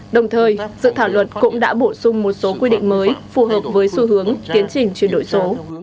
đồng thời dự thảo luật cũng đã bổ sung một số quy định mới phù hợp với xu hướng tiến trình chuyển đổi số